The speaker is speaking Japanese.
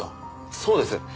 そうです！